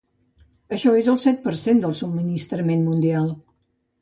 Això és el set per cent del subministrament mundial.